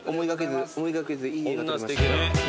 思いがけずいい絵が撮れました。